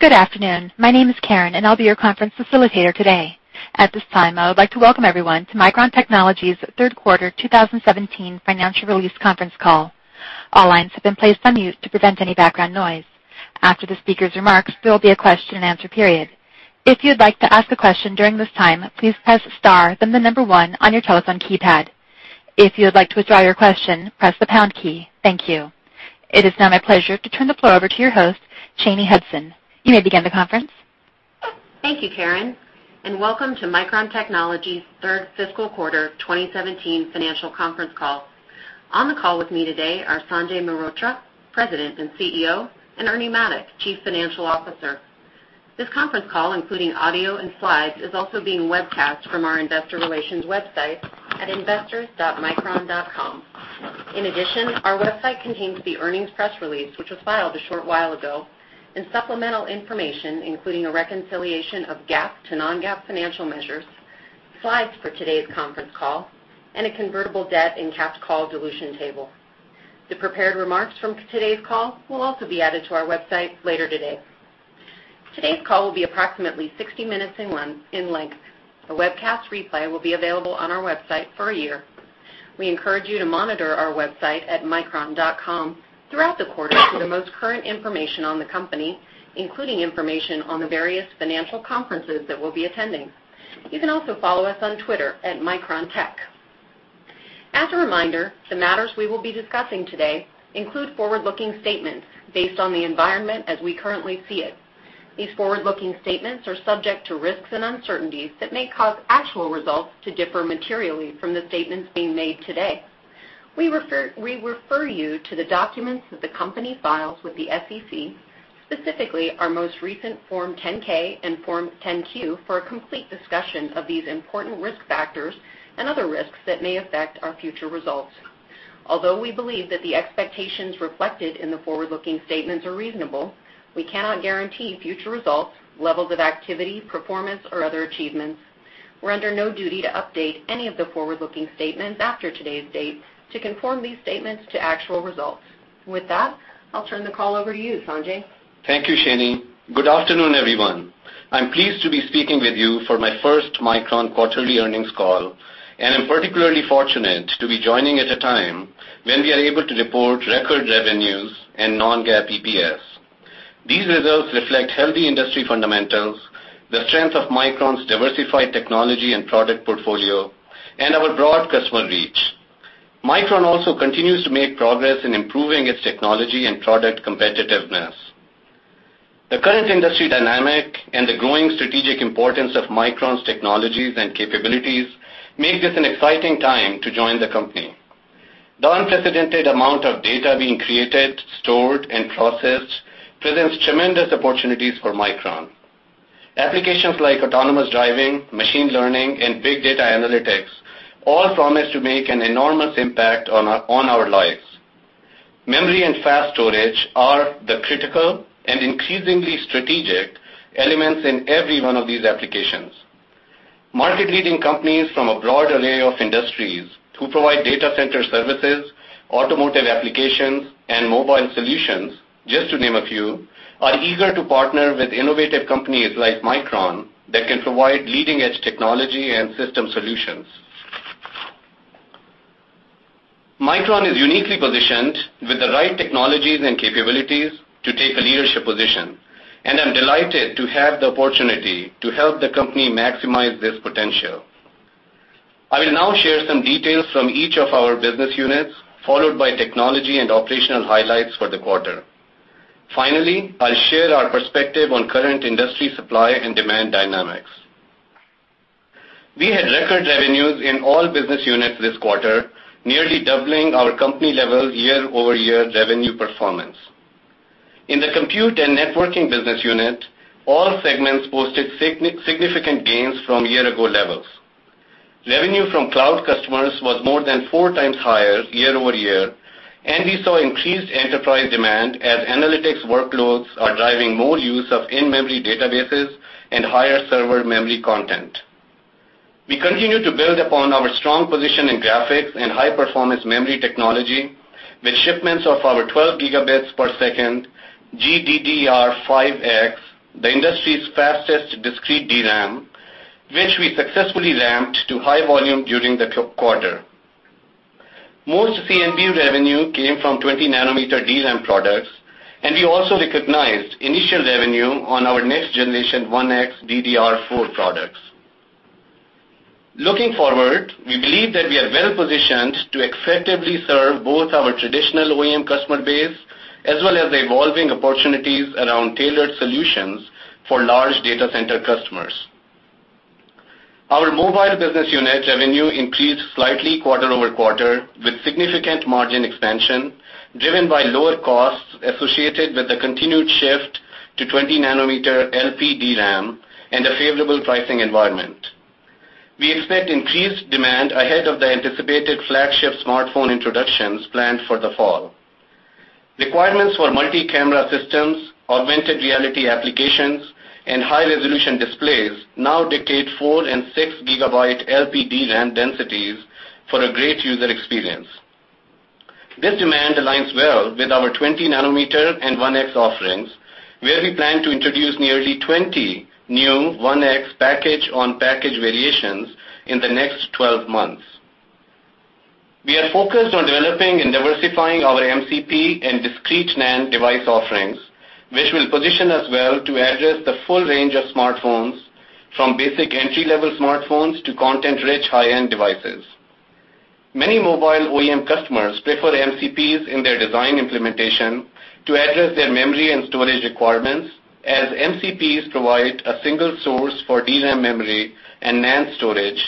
Good afternoon. My name is Karen, and I'll be your conference facilitator today. At this time, I would like to welcome everyone to Micron Technology's third quarter 2017 financial release conference call. All lines have been placed on mute to prevent any background noise. After the speaker's remarks, there will be a question and answer period. If you'd like to ask a question during this time, please press star then the number one on your telephone keypad. If you would like to withdraw your question, press the pound key. Thank you. It is now my pleasure to turn the floor over to your host, Shanye Hudson. You may begin the conference. Thank you, Karen, and welcome to Micron Technology's third fiscal quarter 2017 financial conference call. On the call with me today are Sanjay Mehrotra, President and CEO, and Ernie Maddock, Chief Financial Officer. This conference call, including audio and slides, is also being webcast from our investor relations website at investors.micron.com. In addition, our website contains the earnings press release, which was filed a short while ago, and supplemental information, including a reconciliation of GAAP to non-GAAP financial measures, slides for today's conference call, and a convertible debt and capped call dilution table. The prepared remarks from today's call will also be added to our website later today. Today's call will be approximately 60 minutes in length. A webcast replay will be available on our website for a year. We encourage you to monitor our website at micron.com throughout the quarter for the most current information on the company, including information on the various financial conferences that we'll be attending. You can also follow us on Twitter at MicronTech. As a reminder, the matters we will be discussing today include forward-looking statements based on the environment as we currently see it. These forward-looking statements are subject to risks and uncertainties that may cause actual results to differ materially from the statements being made today. We refer you to the documents that the company files with the SEC, specifically our most recent Form 10-K and Form 10-Q, for a complete discussion of these important risk factors and other risks that may affect our future results. Although we believe that the expectations reflected in the forward-looking statements are reasonable, we cannot guarantee future results, levels of activity, performance, or other achievements. We're under no duty to update any of the forward-looking statements after today's date to conform these statements to actual results. With that, I'll turn the call over to you, Sanjay. Thank you, Shanye. Good afternoon, everyone. I'm pleased to be speaking with you for my first Micron quarterly earnings call, and I'm particularly fortunate to be joining at a time when we are able to report record revenues and non-GAAP EPS. These results reflect healthy industry fundamentals, the strength of Micron's diversified technology and product portfolio, and our broad customer reach. Micron also continues to make progress in improving its technology and product competitiveness. The current industry dynamic and the growing strategic importance of Micron's technologies and capabilities make this an exciting time to join the company. The unprecedented amount of data being created, stored, and processed presents tremendous opportunities for Micron. Applications like autonomous driving, machine learning, and big data analytics all promise to make an enormous impact on our lives. Memory and fast storage are the critical and increasingly strategic elements in every one of these applications. Market-leading companies from a broad array of industries who provide data center services, automotive applications, and mobile solutions, just to name a few, are eager to partner with innovative companies like Micron that can provide leading-edge technology and system solutions. Micron is uniquely positioned with the right technologies and capabilities to take a leadership position. I'm delighted to have the opportunity to help the company maximize this potential. I will now share some details from each of our business units, followed by technology and operational highlights for the quarter. Finally, I'll share our perspective on current industry supply and demand dynamics. We had record revenues in all business units this quarter, nearly doubling our company level year-over-year revenue performance. In the Compute and Networking Business Unit, all segments posted significant gains from year-ago levels. Revenue from cloud customers was more than four times higher year-over-year, and we saw increased enterprise demand as analytics workloads are driving more use of in-memory databases and higher server memory content. We continue to build upon our strong position in graphics and high-performance memory technology with shipments of our 12 gigabits per second GDDR5X, the industry's fastest discrete DRAM, which we successfully ramped to high volume during the quarter. Most CNB revenue came from 20 nanometer DRAM products, and we also recognized initial revenue on our next generation 1X DDR4 products. Looking forward, we believe that we are well positioned to effectively serve both our traditional OEM customer base as well as the evolving opportunities around tailored solutions for large data center customers. Our mobile business unit revenue increased slightly quarter-over-quarter, with significant margin expansion driven by lower costs associated with the continued shift to 20 nanometer LPDRAM and a favorable pricing environment. We expect increased demand ahead of the anticipated flagship smartphone introductions planned for the fall. Requirements for multi-camera systems, augmented reality applications, and high-resolution displays now dictate four and six gigabyte LPDRAM densities for a great user experience. This demand aligns well with our 20 nanometer and 1X offerings, where we plan to introduce nearly 20 new 1X package on package variations in the next 12 months. We are focused on developing and diversifying our MCP and discrete NAND device offerings, which will position us well to address the full range of smartphones, from basic entry-level smartphones to content-rich high-end devices. Many mobile OEM customers prefer MCPs in their design implementation to address their memory and storage requirements, as MCPs provide a single source for DRAM memory and NAND storage,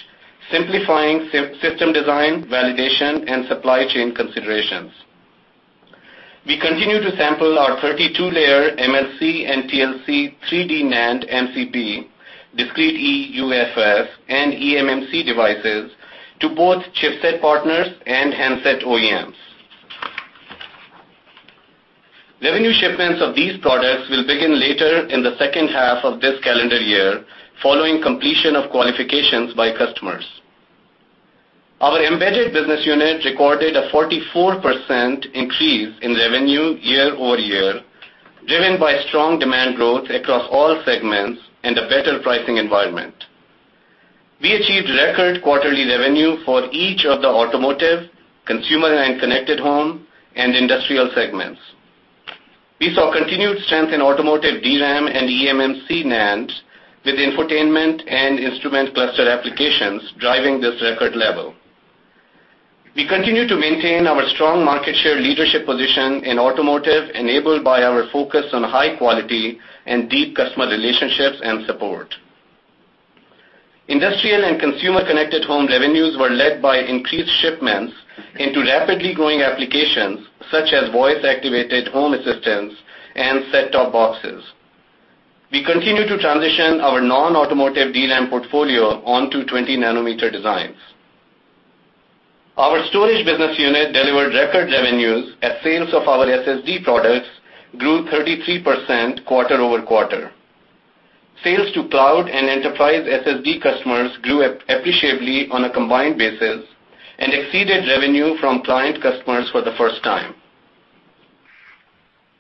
simplifying system design, validation, and supply chain considerations. We continue to sample our 32-layer MLC and TLC 3D NAND MCP, discrete eUFS, and eMMC devices to both chipset partners and handset OEMs. Revenue shipments of these products will begin later in the second half of this calendar year, following completion of qualifications by customers. Our embedded business unit recorded a 44% increase in revenue year-over-year, driven by strong demand growth across all segments and a better pricing environment. We achieved record quarterly revenue for each of the automotive, consumer and connected home, and industrial segments. We saw continued strength in automotive DRAM and eMMC NAND with infotainment and instrument cluster applications driving this record level. We continue to maintain our strong market share leadership position in automotive, enabled by our focus on high quality and deep customer relationships and support. Industrial and consumer connected home revenues were led by increased shipments into rapidly growing applications, such as voice-activated home assistants and set-top boxes. We continue to transition our non-automotive DRAM portfolio onto 20 nanometer designs. Our storage business unit delivered record revenues as sales of our SSD products grew 33% quarter-over-quarter. Sales to cloud and enterprise SSD customers grew appreciably on a combined basis and exceeded revenue from client customers for the first time.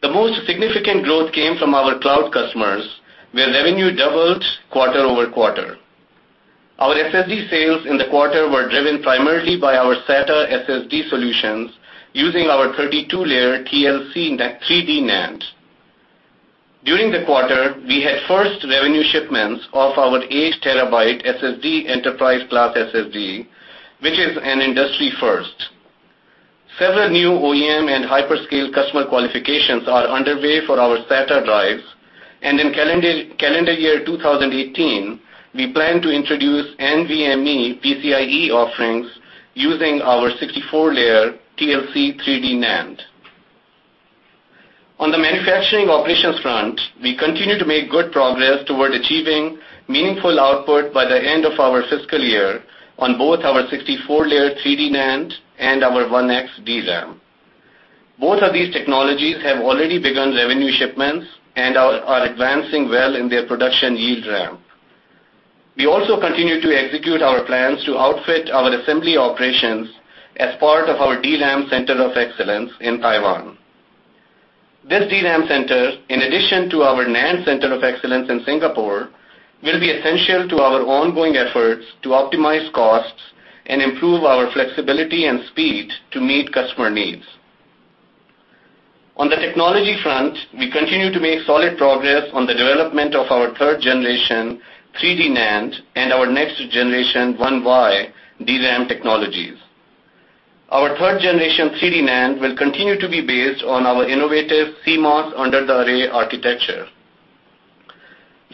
The most significant growth came from our cloud customers, where revenue doubled quarter-over-quarter. Our SSD sales in the quarter were driven primarily by our SATA SSD solutions using our 32-layer TLC 3D NAND. During the quarter, we had first revenue shipments of our 8 terabyte SSD enterprise class SSD, which is an industry first. Several new OEM and hyperscale customer qualifications are underway for our SATA drives, and in calendar year 2018, we plan to introduce NVMe PCIe offerings using our 64-layer TLC 3D NAND. On the manufacturing operations front, we continue to make good progress toward achieving meaningful output by the end of our fiscal year on both our 64-layer 3D NAND and our 1X DRAM. Both of these technologies have already begun revenue shipments and are advancing well in their production yield ramp. We also continue to execute our plans to outfit our assembly operations as part of our DRAM Center of Excellence in Taiwan. This DRAM Center, in addition to our NAND Center of Excellence in Singapore, will be essential to our ongoing efforts to optimize costs and improve our flexibility and speed to meet customer needs. On the technology front, we continue to make solid progress on the development of our third-generation 3D NAND and our next-generation 1Y DRAM technologies. Our third-generation 3D NAND will continue to be based on our innovative CMOS under the array architecture.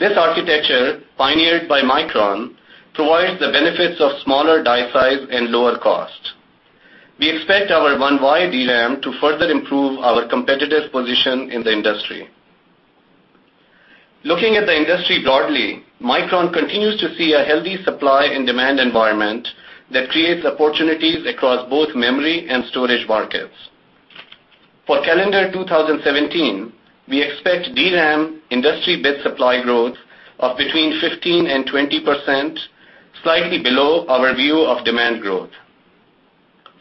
This architecture, pioneered by Micron, provides the benefits of smaller die size and lower cost. We expect our 1Y DRAM to further improve our competitive position in the industry. Looking at the industry broadly, Micron continues to see a healthy supply and demand environment that creates opportunities across both memory and storage markets. For calendar 2017, we expect DRAM industry bit supply growth of between 15% and 20%, slightly below our view of demand growth.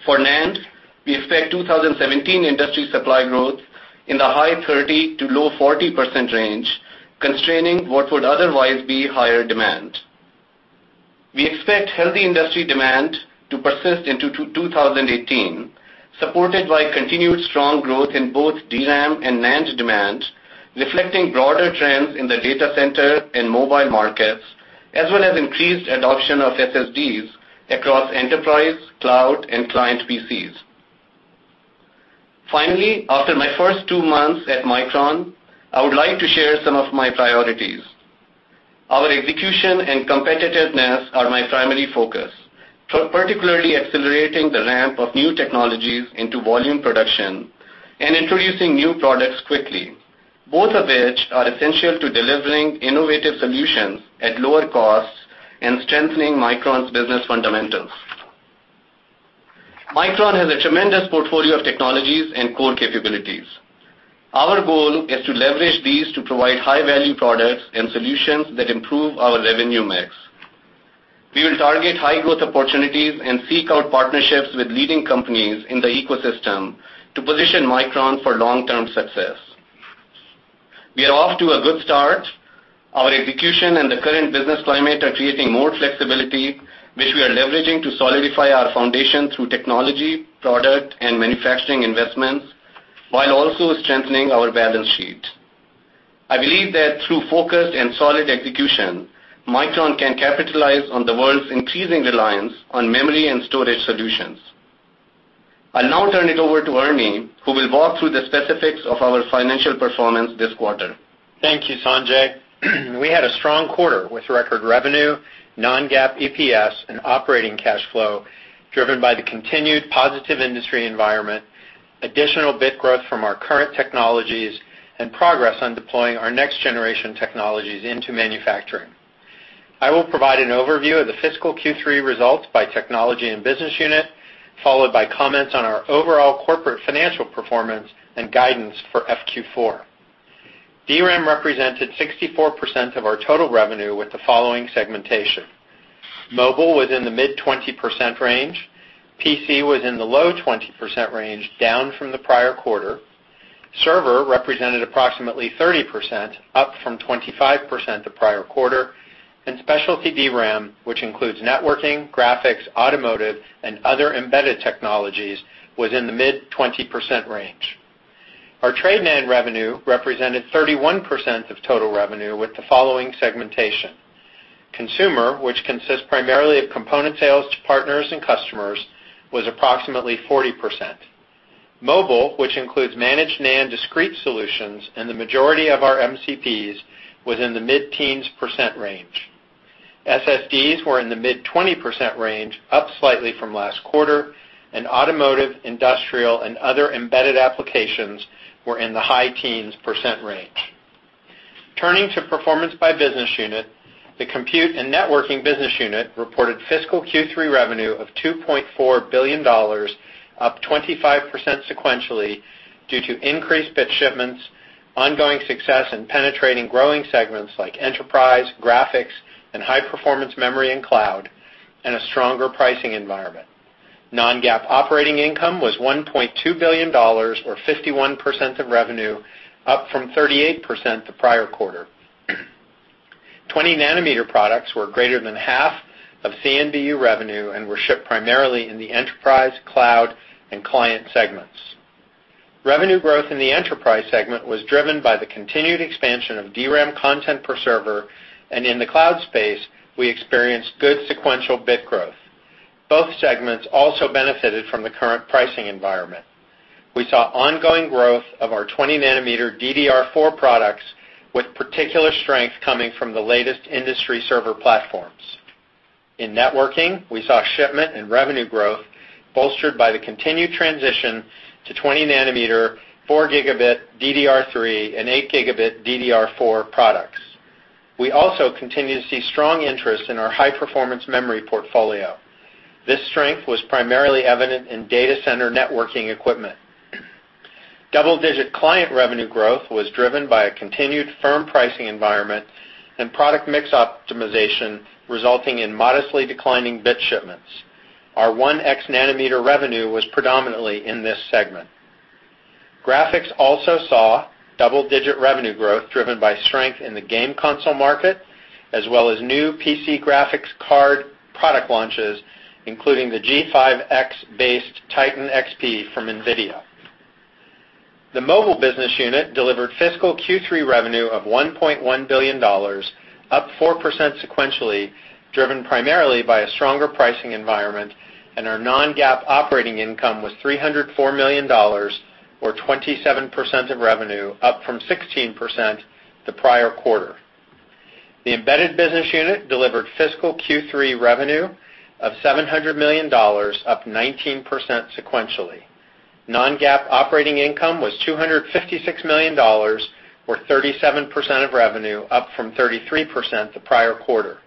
For NAND, we expect 2017 industry supply growth in the high 30% to low 40% range, constraining what would otherwise be higher demand. We expect healthy industry demand to persist into 2018, supported by continued strong growth in both DRAM and NAND demand, reflecting broader trends in the data center and mobile markets, as well as increased adoption of SSDs across enterprise, cloud, and client PCs. Finally, after my first two months at Micron, I would like to share some of my priorities. Our execution and competitiveness are my primary focus, particularly accelerating the ramp of new technologies into volume production and introducing new products quickly, both of which are essential to delivering innovative solutions at lower costs and strengthening Micron's business fundamentals. Micron has a tremendous portfolio of technologies and core capabilities. Our goal is to leverage these to provide high-value products and solutions that improve our revenue mix. We will target high-growth opportunities and seek out partnerships with leading companies in the ecosystem to position Micron for long-term success. We are off to a good start. Our execution and the current business climate are creating more flexibility, which we are leveraging to solidify our foundation through technology, product, and manufacturing investments, while also strengthening our balance sheet. I believe that through focused and solid execution, Micron can capitalize on the world's increasing reliance on memory and storage solutions. I'll now turn it over to Ernie, who will walk through the specifics of our financial performance this quarter. Thank you, Sanjay. We had a strong quarter with record revenue, non-GAAP EPS, and operating cash flow driven by the continued positive industry environment, additional bit growth from our current technologies, and progress on deploying our next-generation technologies into manufacturing. I will provide an overview of the fiscal Q3 results by technology and business unit, followed by comments on our overall corporate financial performance and guidance for FQ4. DRAM represented 64% of our total revenue, with the following segmentation. Mobile was in the mid-20% range. PC was in the low 20% range, down from the prior quarter. Server represented approximately 30%, up from 25% the prior quarter. Specialty DRAM, which includes networking, graphics, automotive, and other embedded technologies, was in the mid-20% range. Our trade NAND revenue represented 31% of total revenue, with the following segmentation. Consumer, which consists primarily of component sales to partners and customers, was approximately 40%. Mobile, which includes managed NAND discrete solutions and the majority of our MCPs, was in the mid-teens percent range. SSDs were in the mid-20% range, up slightly from last quarter, and automotive, industrial, and other embedded applications were in the high teens percent range. Turning to performance by business unit, the Compute and Networking Business Unit reported fiscal Q3 revenue of $2.4 billion, up 25% sequentially due to increased bit shipments, ongoing success in penetrating growing segments like enterprise, graphics, and high-performance memory and cloud, and a stronger pricing environment. Non-GAAP operating income was $1.2 billion, or 51% of revenue, up from 38% the prior quarter. 20 nanometer products were greater than half of CNBU revenue and were shipped primarily in the enterprise, cloud, and client segments. Revenue growth in the enterprise segment was driven by the continued expansion of DRAM content per server, and in the cloud space, we experienced good sequential bit growth. Both segments also benefited from the current pricing environment. We saw ongoing growth of our 20 nanometer DDR4 products, with particular strength coming from the latest industry server platforms. In networking, we saw shipment and revenue growth bolstered by the continued transition to 20 nanometer, 4 gigabit DDR3 and 8 gigabit DDR4 products. We also continue to see strong interest in our high-performance memory portfolio. This strength was primarily evident in data center networking equipment. Double-digit client revenue growth was driven by a continued firm pricing environment and product mix optimization, resulting in modestly declining bit shipments. Our 1X nanometer revenue was predominantly in this segment. Graphics also saw double-digit revenue growth driven by strength in the game console market, as well as new PC graphics card product launches, including the GDDR5X-based Titan Xp from NVIDIA. The mobile business unit delivered fiscal Q3 revenue of $1.1 billion, up 4% sequentially, driven primarily by a stronger pricing environment, and our non-GAAP operating income was $304 million, or 27% of revenue, up from 16% the prior quarter. The embedded business unit delivered fiscal Q3 revenue of $700 million, up 19% sequentially. Non-GAAP operating income was $256 million, or 37% of revenue, up from 33% the prior quarter.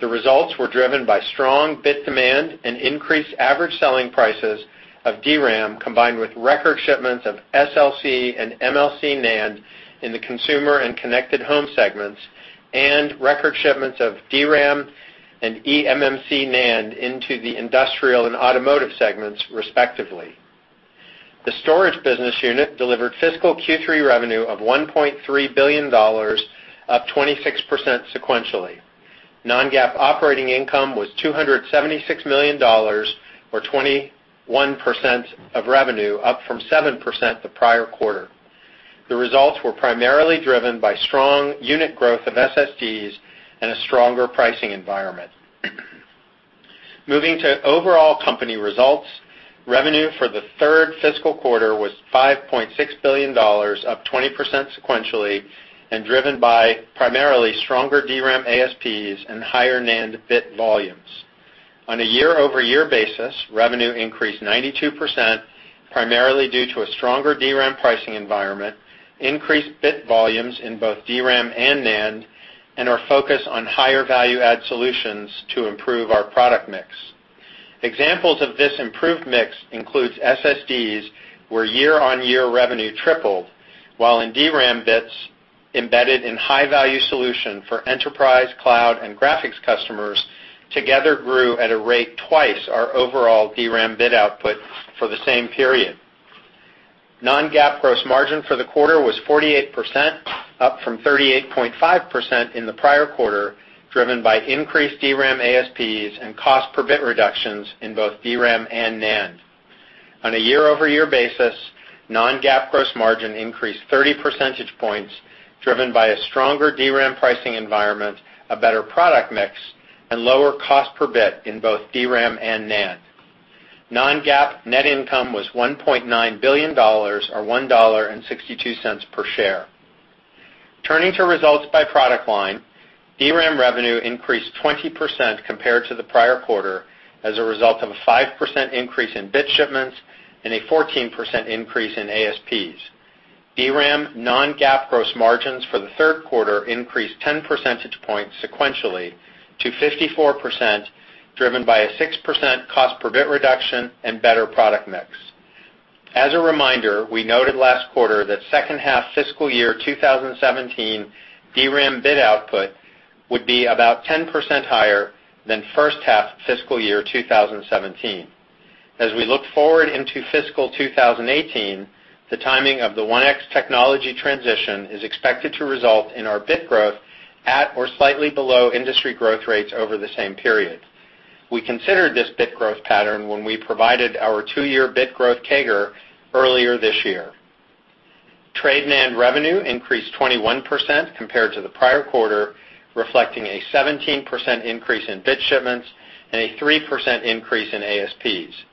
The results were driven by strong bit demand and increased average selling prices of DRAM, combined with record shipments of SLC and MLC NAND in the consumer and connected home segments, and record shipments of DRAM and eMMC NAND into the industrial and automotive segments, respectively. The storage business unit delivered fiscal Q3 revenue of $1.3 billion, up 26% sequentially. Non-GAAP operating income was $276 million, or 21% of revenue, up from 7% the prior quarter. The results were primarily driven by strong unit growth of SSDs and a stronger pricing environment. Moving to overall company results, revenue for the third fiscal quarter was $5.6 billion, up 20% sequentially, and driven by primarily stronger DRAM ASPs and higher NAND bit volumes. On a year-over-year basis, revenue increased 92%, primarily due to a stronger DRAM pricing environment, increased bit volumes in both DRAM and NAND, and our focus on higher value add solutions to improve our product mix. Examples of this improved mix includes SSDs, where year-on-year revenue tripled, while in DRAM bits embedded in high-value solution for enterprise, cloud, and graphics customers together grew at a rate twice our overall DRAM bit output for the same period. Non-GAAP gross margin for the quarter was 48%, up from 38.5% in the prior quarter, driven by increased DRAM ASPs and cost per bit reductions in both DRAM and NAND. On a year-over-year basis, non-GAAP gross margin increased 30 percentage points, driven by a stronger DRAM pricing environment, a better product mix, and lower cost per bit in both DRAM and NAND. Non-GAAP net income was $1.9 billion, or $1.62 per share. Turning to results by product line, DRAM revenue increased 20% compared to the prior quarter as a result of a 5% increase in bit shipments and a 14% increase in ASPs. DRAM non-GAAP gross margins for the third quarter increased 10 percentage points sequentially to 54%, driven by a 6% cost per bit reduction and better product mix. As a reminder, we noted last quarter that second half fiscal year 2017 DRAM bit output would be about 10% higher than first half fiscal year 2017. As we look forward into fiscal 2018, the timing of the 1X technology transition is expected to result in our bit growth at or slightly below industry growth rates over the same period. We considered this bit growth pattern when we provided our two-year bit growth CAGR earlier this year. NAND revenue increased 21% compared to the prior quarter, reflecting a 17% increase in bit shipments and a 3% increase in ASPs.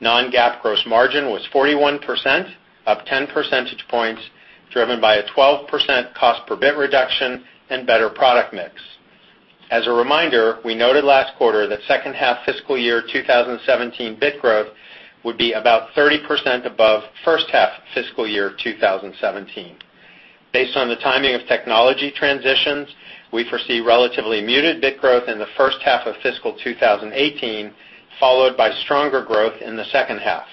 Non-GAAP gross margin was 41%, up 10 percentage points, driven by a 12% cost per bit reduction and better product mix. As a reminder, we noted last quarter that second half fiscal year 2017 bit growth would be about 30% above first half fiscal year 2017. Based on the timing of technology transitions, we foresee relatively muted bit growth in the first half of fiscal 2018, followed by stronger growth in the second half.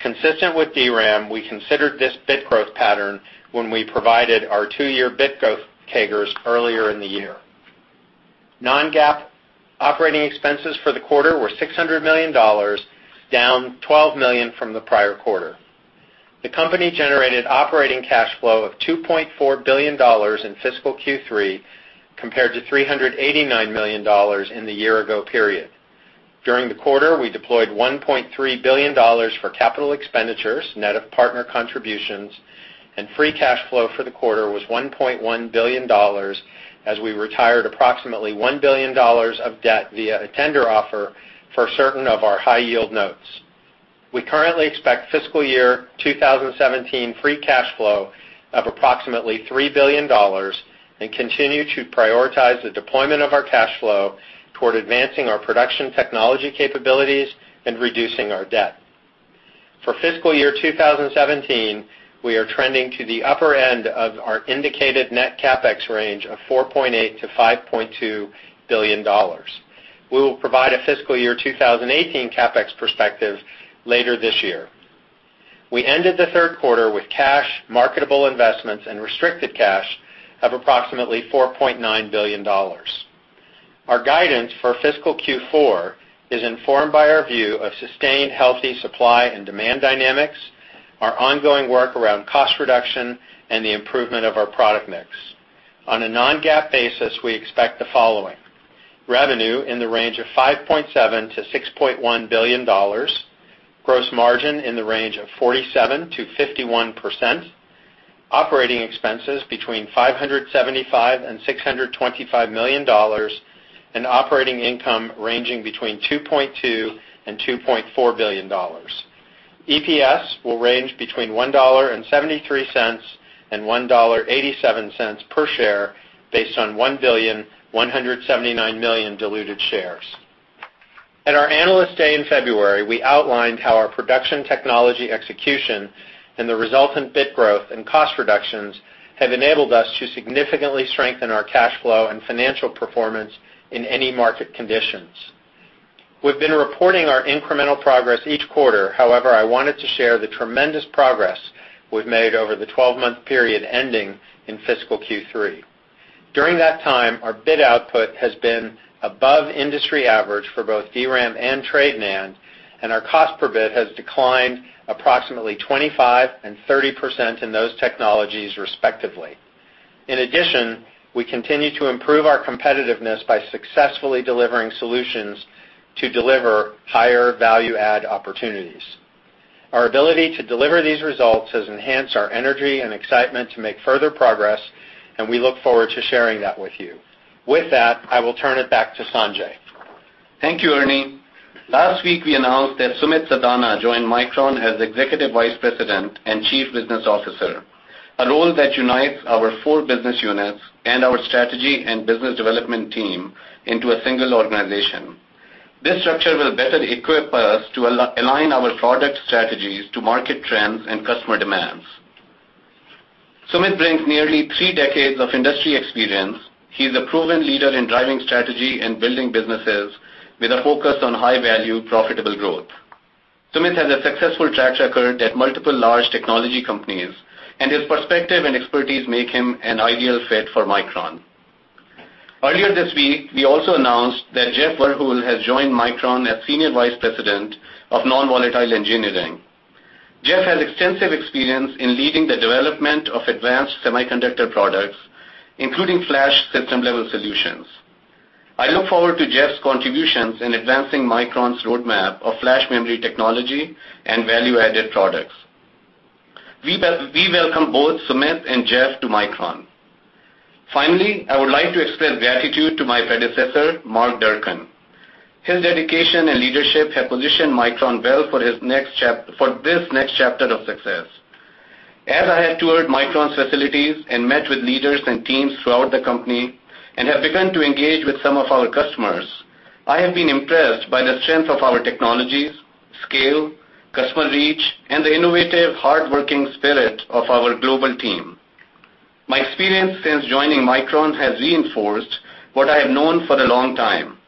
Consistent with DRAM, we considered this bit growth pattern when we provided our two-year bit growth CAGRs earlier in the year. Non-GAAP operating expenses for the quarter were $600 million, down $12 million from the prior quarter. The company generated operating cash flow of $2.4 billion in fiscal Q3, compared to $389 million in the year-ago period. During the quarter, we deployed $1.3 billion for capital expenditures, net of partner contributions, and free cash flow for the quarter was $1.1 billion, as we retired approximately $1 billion of debt via a tender offer for certain of our high-yield notes. We currently expect fiscal year 2017 free cash flow of approximately $3 billion and continue to prioritize the deployment of our cash flow toward advancing our production technology capabilities and reducing our debt. For fiscal year 2017, we are trending to the upper end of our indicated net CapEx range of $4.8 billion-$5.2 billion. We will provide a fiscal year 2018 CapEx perspective later this year. We ended the third quarter with cash, marketable investments, and restricted cash of approximately $4.9 billion. Our guidance for fiscal Q4 is informed by our view of sustained healthy supply and demand dynamics, our ongoing work around cost reduction, and the improvement of our product mix. On a non-GAAP basis, we expect the following: revenue in the range of $5.7 billion-$6.1 billion, gross margin in the range of 47%-51%, operating expenses between $575 million and $625 million, and operating income ranging between $2.2 billion and $2.4 billion. EPS will range between $1.73 and $1.87 per share based on 1,179,000,000 diluted shares. At our Analyst Day in February, we outlined how our production technology execution and the resultant bit growth and cost reductions have enabled us to significantly strengthen our cash flow and financial performance in any market conditions. We've been reporting our incremental progress each quarter. I wanted to share the tremendous progress we've made over the 12-month period ending in fiscal Q3. During that time, our bit output has been above industry average for both DRAM and 3D NAND. Our cost per bit has declined approximately 25% and 30% in those technologies respectively. In addition, we continue to improve our competitiveness by successfully delivering solutions to deliver higher value add opportunities. Our ability to deliver these results has enhanced our energy and excitement to make further progress. We look forward to sharing that with you. With that, I will turn it back to Sanjay. Thank you, Ernie. Last week, we announced that Sumit Sadana joined Micron as Executive Vice President and Chief Business Officer, a role that unites our four business units and our strategy and business development team into a single organization. This structure will better equip us to align our product strategies to market trends and customer demands. Sumit brings nearly three decades of industry experience. He's a proven leader in driving strategy and building businesses with a focus on high-value, profitable growth. Sumit has a successful track record at multiple large technology companies. His perspective and expertise make him an ideal fit for Micron. Earlier this week, we also announced that Jeff VerHeul has joined Micron as Senior Vice President of Non-Volatile Engineering. Jeff has extensive experience in leading the development of advanced semiconductor products, including flash system-level solutions. I look forward to Jeff's contributions in advancing Micron's roadmap of flash memory technology and value-added products. We welcome both Sumit and Jeff to Micron. Finally, I would like to extend gratitude to my predecessor, Mark Durcan. His dedication and leadership have positioned Micron well for this next chapter of success. As I have toured Micron's facilities and met with leaders and teams throughout the company and have begun to engage with some of our customers, I have been impressed by the strength of our technologies, scale, customer reach, and the innovative, hardworking spirit of our global team. My experience since joining Micron has reinforced what I have known for a long time.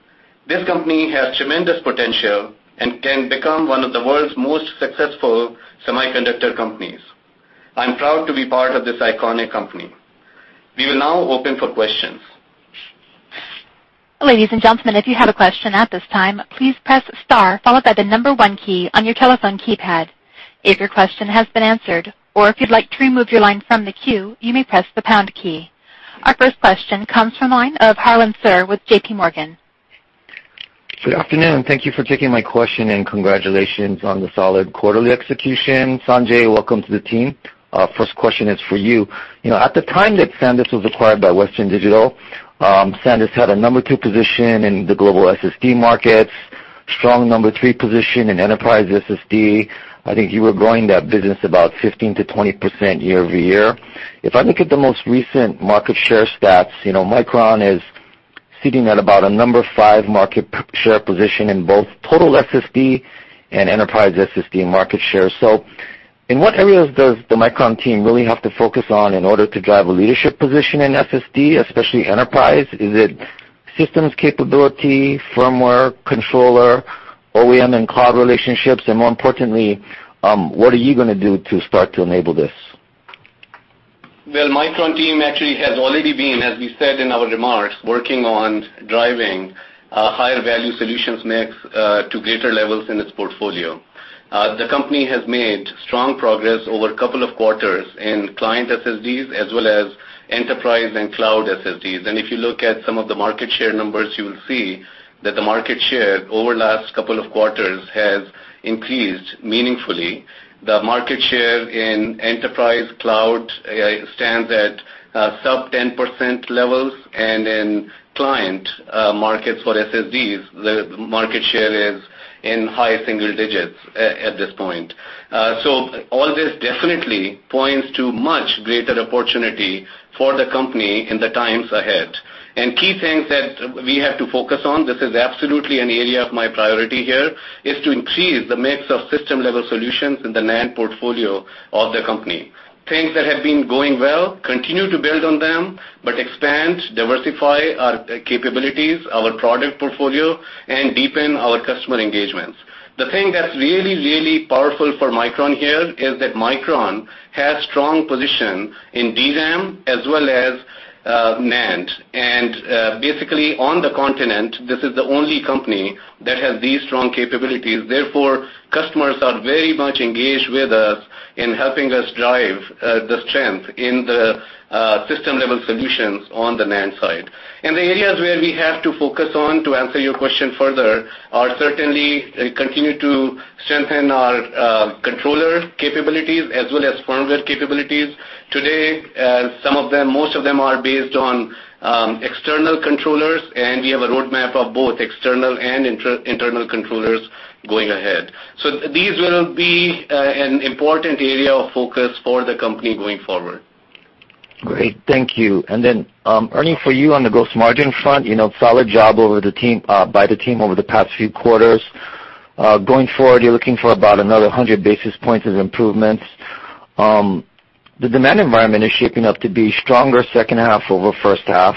This company has tremendous potential and can become one of the world's most successful semiconductor companies. I'm proud to be part of this iconic company. We will now open for questions. Ladies and gentlemen, if you have a question at this time, please press star followed by the number one key on your telephone keypad. If your question has been answered, or if you'd like to remove your line from the queue, you may press the pound key. Our first question comes from the line of Harlan Sur with JPMorgan. Good afternoon. Thank you for taking my question, and congratulations on the solid quarterly execution. Sanjay, welcome to the team. First question is for you. At the time that SanDisk was acquired by Western Digital, SanDisk had a number 2 position in the global SSD markets, strong number 3 position in enterprise SSD. I think you were growing that business about 15%-20% year-over-year. If I look at the most recent market share stats, Micron is sitting at about a number 5 market share position in both total SSD and enterprise SSD market share. In what areas does the Micron team really have to focus on in order to drive a leadership position in SSD, especially enterprise? Is it systems capability, firmware, controller, OEM, and cloud relationships? More importantly, what are you going to do to start to enable this? Micron team actually has already been, as we said in our remarks, working on driving a higher value solutions mix to greater levels in its portfolio. The company has made strong progress over a couple of quarters in client SSDs as well as enterprise and cloud SSDs. If you look at some of the market share numbers, you will see that the market share over last couple of quarters has increased meaningfully. The market share in enterprise cloud stands at sub 10% levels, and in client markets for SSDs, the market share is in high single digits at this point. All this definitely points to much greater opportunity for the company in the times ahead. Key things that we have to focus on, this is absolutely an area of my priority here, is to increase the mix of system-level solutions in the NAND portfolio of the company. Things that have been going well, continue to build on them, but expand, diversify our capabilities, our product portfolio, and deepen our customer engagements. The thing that's really powerful for Micron here is that Micron has strong position in DRAM as well as NAND, and basically on the continent, this is the only company that has these strong capabilities. Therefore, customers are very much engaged with us in helping us drive the strength in the system-level solutions on the NAND side. The areas where we have to focus on, to answer your question further, are certainly continue to strengthen our controller capabilities as well as firmware capabilities. Today, most of them are based on external controllers, and we have a roadmap of both external and internal controllers going ahead. These will be an important area of focus for the company going forward. Great. Thank you. Ernie, for you on the gross margin front, solid job by the team over the past few quarters. Going forward, you're looking for about another 100 basis points of improvements. The demand environment is shaping up to be stronger second half over first half.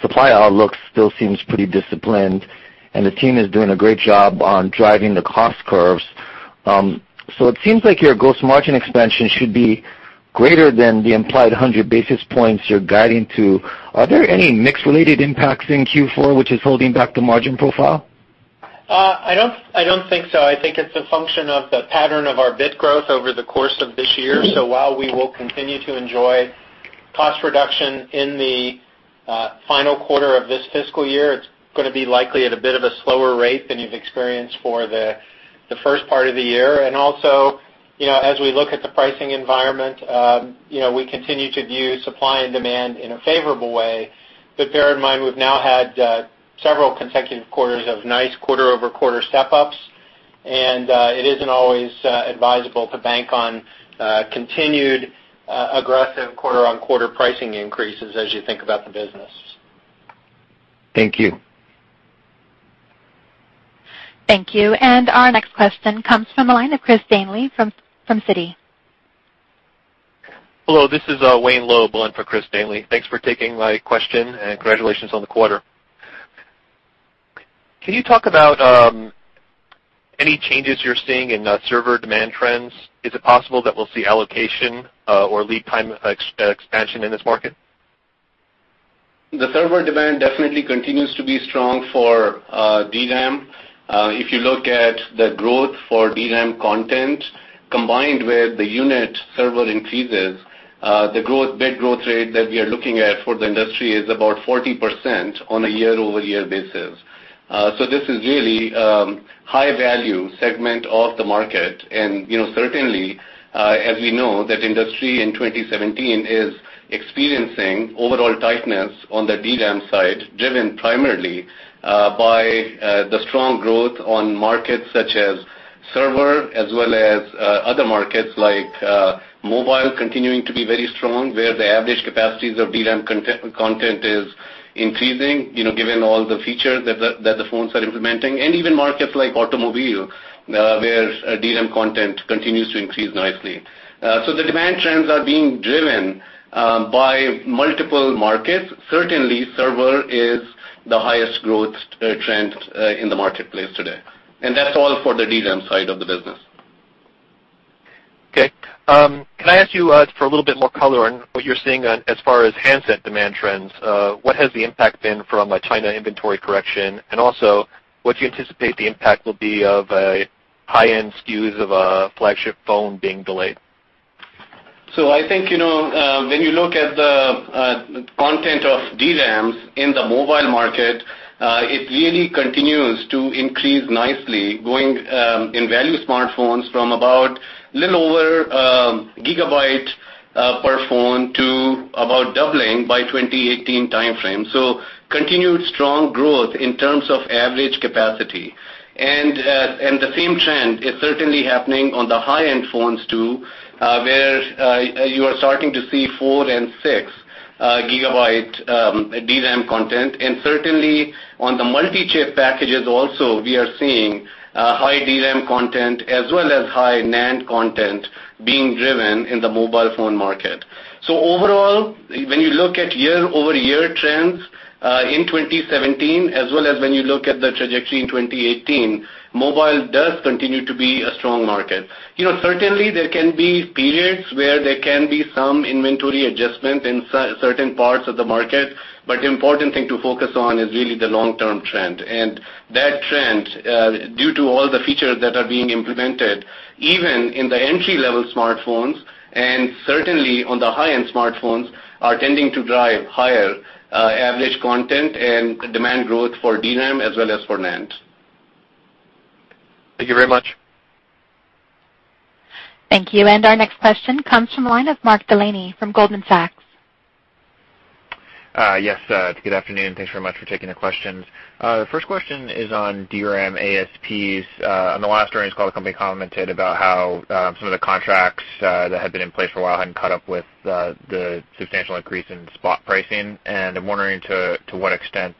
Supply outlook still seems pretty disciplined, and the team is doing a great job on driving the cost curves. It seems like your gross margin expansion should be greater than the implied 100 basis points you're guiding to. Are there any mix-related impacts in Q4 which is holding back the margin profile? I don't think so. I think it's a function of the pattern of our bit growth over the course of this year. While we will continue to enjoy cost reduction in the final quarter of this fiscal year, it's going to be likely at a bit of a slower rate than you've experienced for the first part of the year. As we look at the pricing environment, we continue to view supply and demand in a favorable way. Bear in mind, we've now had several consecutive quarters of nice quarter-over-quarter step-ups, and it isn't always advisable to bank on continued aggressive quarter-on-quarter pricing increases as you think about the business. Thank you. Thank you. Our next question comes from the line of Chris Danely from Citi. Hello, this is Wayne Loeb on for Christopher Danely. Thanks for taking my question, and congratulations on the quarter. Can you talk about any changes you're seeing in server demand trends? Is it possible that we'll see allocation or lead time expansion in this market? The server demand definitely continues to be strong for DRAM. If you look at the growth for DRAM content combined with the unit server increases, the bit growth rate that we are looking at for the industry is about 40% on a year-over-year basis. This is really a high-value segment of the market, and certainly, as we know, that industry in 2017 is experiencing overall tightness on the DRAM side, driven primarily by the strong growth on markets such as server, as well as other markets like mobile continuing to be very strong, where the average capacities of DRAM content is increasing, given all the features that the phones are implementing. Even markets like automobile, where DRAM content continues to increase nicely. The demand trends are being driven by multiple markets. Certainly, server is the highest growth trend in the marketplace today. That's all for the DRAM side of the business. Okay. Can I ask you for a little bit more color on what you're seeing on as far as handset demand trends, what has the impact been from a China inventory correction, and also, what do you anticipate the impact will be of a high-end SKUs of a flagship phone being delayed? I think, when you look at the content of DRAMs in the mobile market, it really continues to increase nicely, going in value smartphones from about a little over a gigabyte per phone to about doubling by 2018 timeframe. Continued strong growth in terms of average capacity. The same trend is certainly happening on the high-end phones, too, where you are starting to see four and six gigabyte DRAM content, and certainly on the multi-chip packages also, we are seeing high DRAM content as well as high NAND content being driven in the mobile phone market. Overall, when you look at year-over-year trends in 2017, as well as when you look at the trajectory in 2018, mobile does continue to be a strong market. Certainly, there can be periods where there can be some inventory adjustment in certain parts of the market, but the important thing to focus on is really the long-term trend. That trend, due to all the features that are being implemented, even in the entry-level smartphones and certainly on the high-end smartphones, are tending to drive higher average content and demand growth for DRAM as well as for NAND. Thank you very much. Thank you. Our next question comes from the line of Mark Delaney from Goldman Sachs. Yes. Good afternoon. Thanks very much for taking the questions. The first question is on DRAM ASPs. On the last earnings call, the company commented about how some of the contracts that had been in place for a while hadn't caught up with the substantial increase in spot pricing. I'm wondering to what extent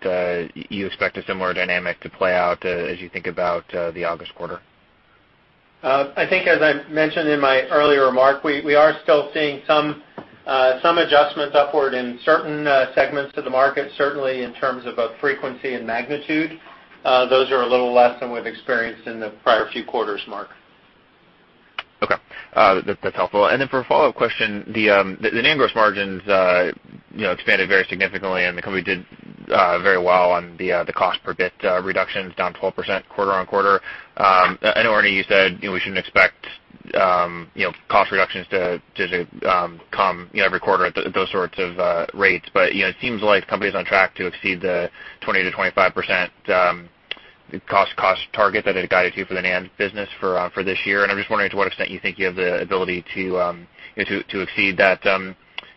you expect a similar dynamic to play out as you think about the August quarter. I think, as I mentioned in my earlier remark, we are still seeing some adjustments upward in certain segments of the market. Certainly, in terms of both frequency and magnitude, those are a little less than we've experienced in the prior few quarters, Mark. Okay. That's helpful. For a follow-up question, the NAND gross margins expanded very significantly, and the company did very well on the cost per bit reductions, down 12% quarter-on-quarter. I know, Ernie, you said we shouldn't expect cost reductions to come every quarter at those sorts of rates. It seems like the company's on track to exceed the 20%-25% cost target that it guided to for the NAND business for this year. I'm just wondering to what extent you think you have the ability to exceed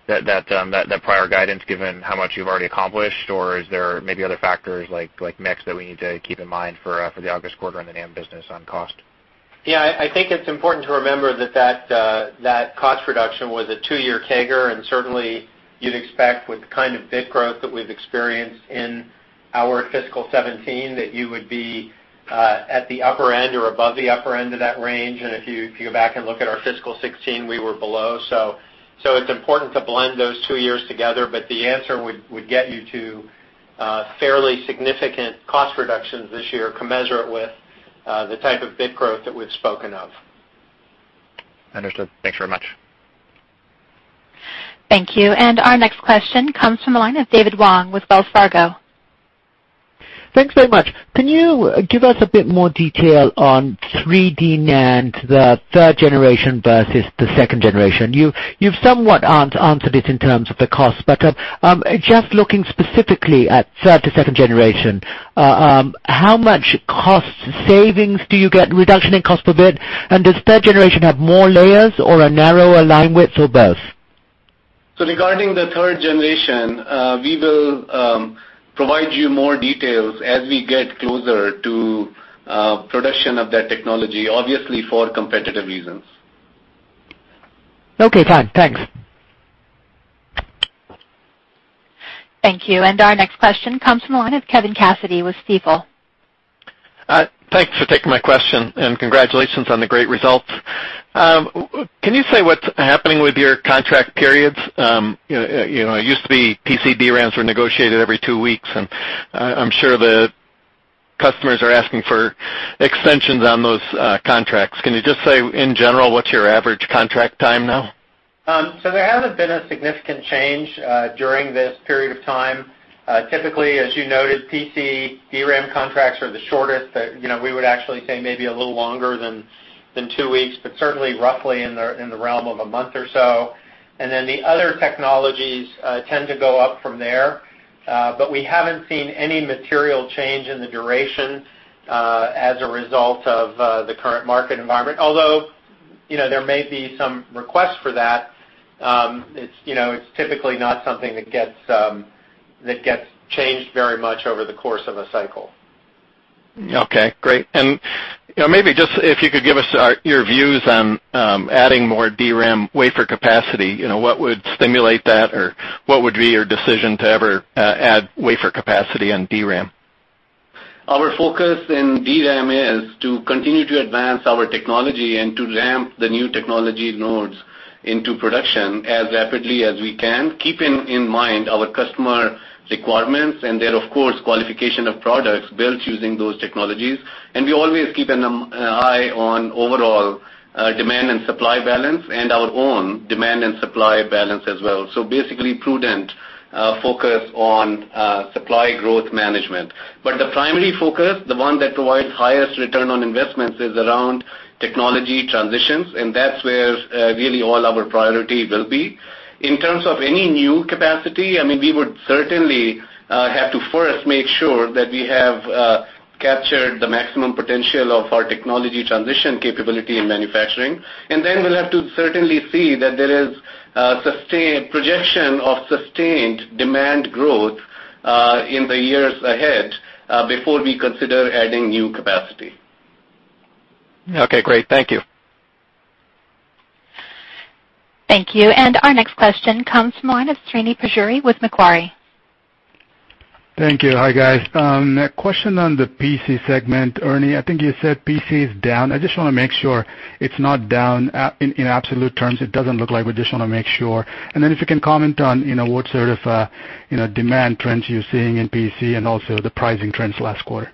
that prior guidance, given how much you've already accomplished, or is there maybe other factors like mix that we need to keep in mind for the August quarter on the NAND business on cost? I think it's important to remember that that cost reduction was a two-year CAGR, and certainly you'd expect with the kind of bit growth that we've experienced in our fiscal 2017, that you would be at the upper end or above the upper end of that range. If you go back and look at our fiscal 2016, we were below. It's important to blend those two years together, the answer would get you to fairly significant cost reductions this year commensurate with the type of bit growth that we've spoken of. Understood. Thanks very much. Thank you. Our next question comes from the line of David Wong with Wells Fargo. Thanks very much. Can you give us a bit more detail on 3D NAND, the third generation versus the second generation? You've somewhat answered it in terms of the cost, but just looking specifically at third to second generation, how much cost savings do you get, reduction in cost per bit, and does third generation have more layers or a narrower line width or both? Regarding the third generation, we will provide you more details as we get closer to production of that technology, obviously for competitive reasons. Okay, fine. Thanks. Thank you. Our next question comes from the line of Kevin Cassidy with Stifel. Thanks for taking my question, and congratulations on the great results. Can you say what's happening with your contract periods? It used to be PC DRAMs were negotiated every two weeks, and I'm sure the customers are asking for extensions on those contracts. Can you just say, in general, what's your average contract time now? There hasn't been a significant change during this period of time. Typically, as you noted, PC DRAM contracts are the shortest. We would actually say maybe a little longer than two weeks, but certainly roughly in the realm of a month or so. The other technologies tend to go up from there. We haven't seen any material change in the duration, as a result of the current market environment. Although, there may be some requests for that. It's typically not something that gets changed very much over the course of a cycle. Okay, great. Maybe just if you could give us your views on adding more DRAM wafer capacity. What would stimulate that, or what would be your decision to ever add wafer capacity on DRAM? Our focus in DRAM is to continue to advance our technology and to ramp the new technology nodes into production as rapidly as we can, keeping in mind our customer requirements and their, of course, qualification of products built using those technologies. We always keep an eye on overall demand and supply balance and our own demand and supply balance as well. Basically, prudent focus on supply growth management. The primary focus, the one that provides highest return on investments, is around technology transitions, that's where really all our priority will be. In terms of any new capacity, we would certainly have to first make sure that we have captured the maximum potential of our technology transition capability in manufacturing, then we'll have to certainly see that there is a projection of sustained demand growth in the years ahead, before we consider adding new capacity. Okay, great. Thank you. Thank you. Our next question comes from the line of Srini Pajjuri with Macquarie. Thank you. Hi, guys. Question on the PC segment. Ernie, I think you said PC is down. I just want to make sure it's not down in absolute terms. It doesn't look like, we just want to make sure. If you can comment on what sort of demand trends you're seeing in PC and also the pricing trends last quarter.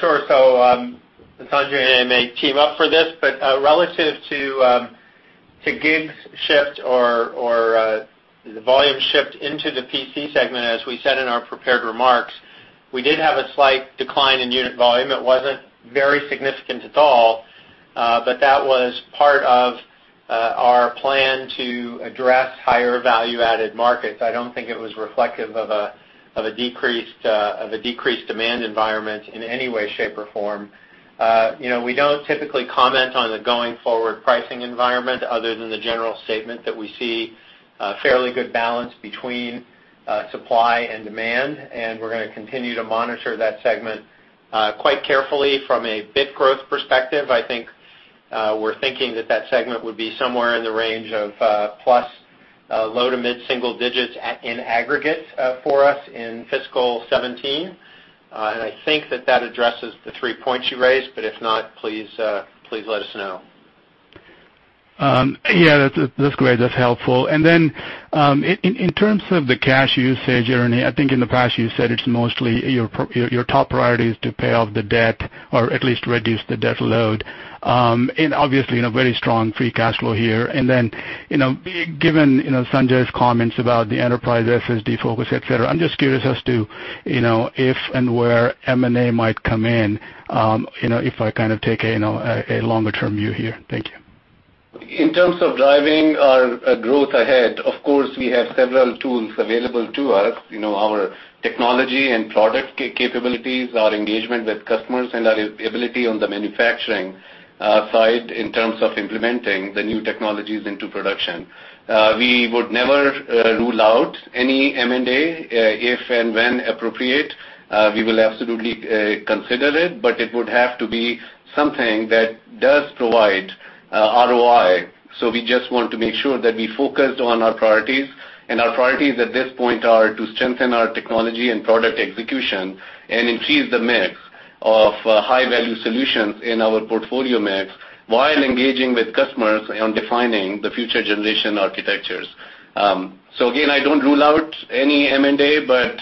Sure. Sanjay and I may team up for this, but relative to gig shift or the volume shift into the PC segment, as we said in our prepared remarks, we did have a slight decline in unit volume. It wasn't very significant at all, but that was part of our plan to address higher value-added markets. I don't think it was reflective of a decreased demand environment in any way, shape, or form. We don't typically comment on the going-forward pricing environment other than the general statement that we see a fairly good balance between supply and demand, and we're going to continue to monitor that segment quite carefully from a bit growth perspective. I think we're thinking that segment would be somewhere in the range of plus low to mid-single digits in aggregate for us in fiscal 2017. I think that addresses the three points you raised, but if not, please let us know. Yeah, that's great. That's helpful. In terms of the cash usage, Ernie, I think in the past you said it's mostly your top priority is to pay off the debt or at least reduce the debt load. Obviously, in a very strong free cash flow here. Given Sanjay's comments about the enterprise SSD focus, et cetera, I'm just curious as to if and where M&A might come in, if I take a longer-term view here. Thank you. In terms of driving our growth ahead, of course, we have several tools available to us. Our technology and product capabilities, our engagement with customers, and our ability on the manufacturing side in terms of implementing the new technologies into production. We would never rule out any M&A, if and when appropriate. We will absolutely consider it, but it would have to be something that does provide ROI. We just want to make sure that we focused on our priorities, and our priorities at this point are to strengthen our technology and product execution and increase the mix of high-value solutions in our portfolio mix while engaging with customers on defining the future generation architectures. Again, I don't rule out any M&A, but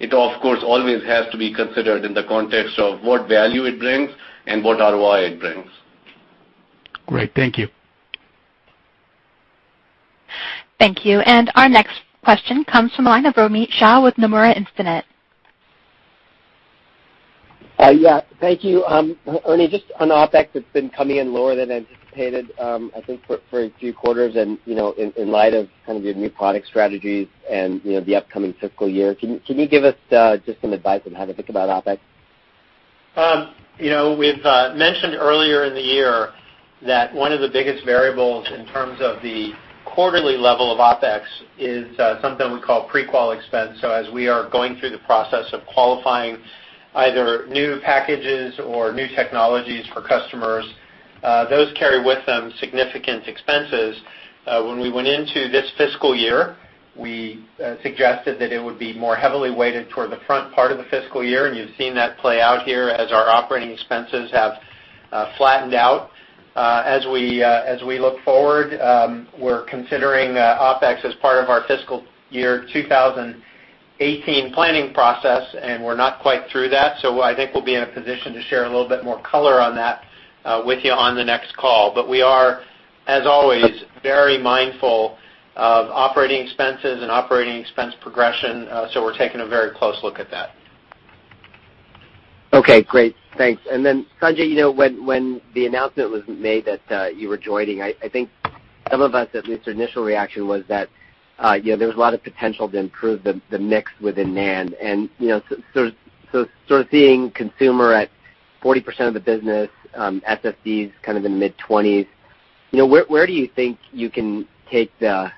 it, of course, always has to be considered in the context of what value it brings and what ROI it brings. Great. Thank you. Thank you. Our next question comes from the line of Romit Shah with Instinet. Yeah. Thank you. Ernie, just on OpEx, it's been coming in lower than anticipated, I think for a few quarters, and in light of kind of your new product strategies and the upcoming fiscal year, can you give us just some advice on how to think about OpEx? We've mentioned earlier in the year that one of the biggest variables in terms of the quarterly level of OpEx is something we call pre-qual expense. As we are going through the process of qualifying either new packages or new technologies for customers. Those carry with them significant expenses. When we went into this fiscal year, we suggested that it would be more heavily weighted toward the front part of the fiscal year, and you've seen that play out here as our operating expenses have flattened out. As we look forward, we're considering OpEx as part of our fiscal year 2018 planning process, and we're not quite through that. I think we'll be in a position to share a little bit more color on that with you on the next call. We are, as always, very mindful of operating expenses and operating expense progression, we're taking a very close look at that. Okay, great. Thanks. Sanjay, when the announcement was made that you were joining, I think some of us, at least initial reaction, was that there was a lot of potential to improve the mix within NAND. Sort of seeing consumer at 40% of the business, SSDs kind of in the mid-20s, where do you think you can take the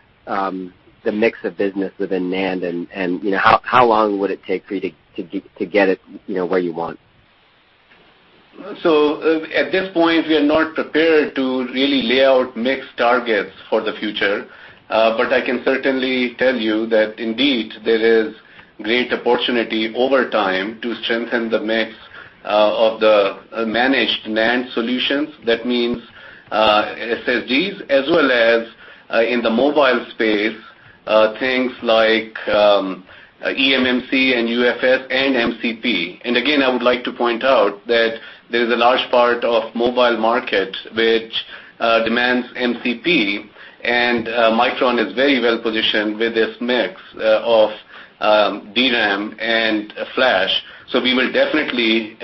mix of business within NAND, and how long would it take for you to get it where you want? At this point, we are not prepared to really lay out mixed targets for the future. I can certainly tell you that indeed, there is great opportunity over time to strengthen the mix of the managed NAND solutions. That means SSDs, as well as, in the mobile space, things like eMMC and UFS and MCP. Again, I would like to point out that there is a large part of mobile market which demands MCP, and Micron is very well-positioned with this mix of DRAM and flash. We will definitely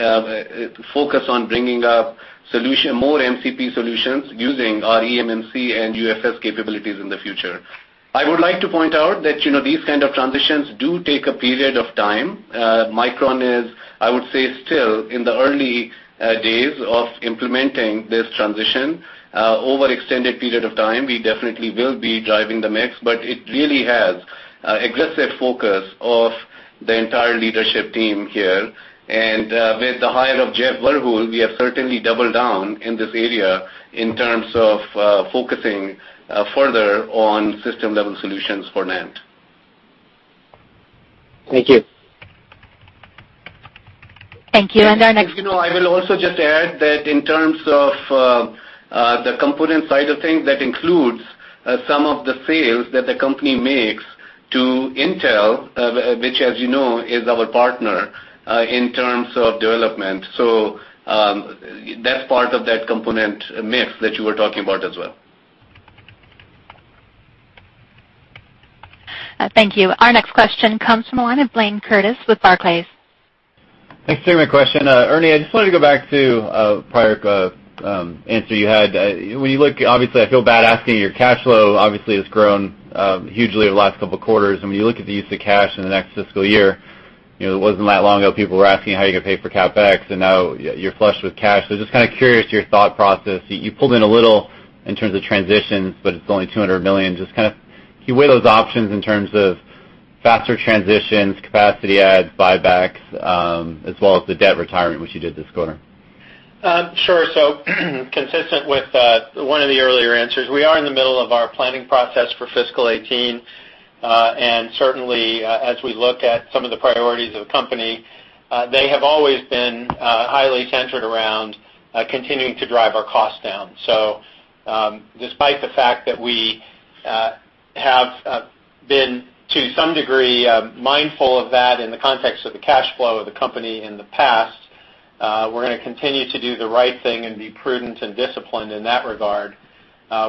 focus on bringing up more MCP solutions using our eMMC and UFS capabilities in the future. I would like to point out that these kind of transitions do take a period of time. Micron is, I would say, still in the early days of implementing this transition. Over extended period of time, we definitely will be driving the mix, it really has aggressive focus of the entire leadership team here. With the hire of Jeff VerHeul, we have certainly doubled down in this area in terms of focusing further on system-level solutions for NAND. Thank you. Thank you. I will also just add that in terms of the component side of things, that includes some of the sales that the company makes to Intel, which as you know, is our partner, in terms of development. That's part of that component mix that you were talking about as well. Thank you. Our next question comes from the line of Blayne Curtis with Barclays. Thanks. Sorry for my question. Ernie, I just wanted to go back to a prior answer you had. Obviously, I feel bad asking, your cash flow obviously has grown hugely over the last couple of quarters, and when you look at the use of cash in the next fiscal year, it wasn't that long ago people were asking how you're going to pay for CapEx, and now you're flush with cash. Just kind of curious your thought process. You pulled in a little in terms of transitions, but it's only $200 million. Just kind of can you weigh those options in terms of faster transitions, capacity adds, buybacks, as well as the debt retirement, which you did this quarter? Sure. Consistent with one of the earlier answers, we are in the middle of our planning process for fiscal 2018. Certainly, as we look at some of the priorities of the company, they have always been highly centered around continuing to drive our costs down. Despite the fact that we have been, to some degree, mindful of that in the context of the cash flow of the company in the past, we're going to continue to do the right thing and be prudent and disciplined in that regard.